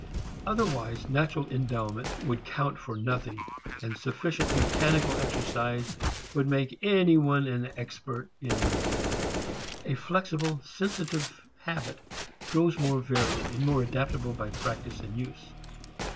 Otherwise natural endowment would count for nothing, and sufficient mechanical exercise would make any one an expert in any field. A flexible, sensitive habit grows more varied, more adaptable by practice and use.